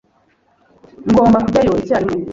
Ngomba kujyayo icyarimwe?